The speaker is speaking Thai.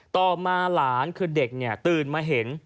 ต่อมาหลานคือเด็กเนี่ยตื่นมาเห็น